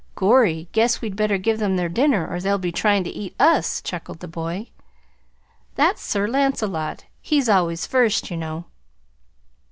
"Gorry, guess we'd better give them their dinner or they'll be tryin' to eat us," chuckled the boy. "That's Sir Lancelot. He's always first, you know."